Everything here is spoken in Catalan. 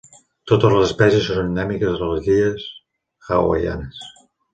Totes les espècies són endèmiques de les illes hawaianes.